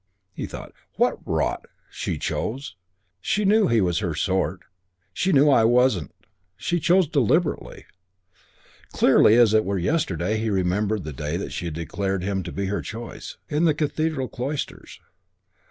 He thought, "What rot! She chose. She knew he was her sort. She knew I wasn't. She chose deliberately...." Clearly, as it were yesterday, he remembered the day she had declared to him her choice. In the Cathedral cloisters.